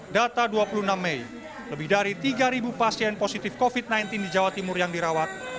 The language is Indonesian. data dua puluh enam mei lebih dari tiga pasien positif covid sembilan belas di jawa timur yang dirawat